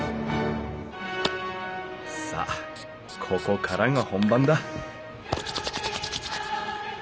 ここからが本番だ